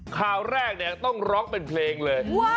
คราวแรกต้องรอล์ฟเป็นเพลงเลย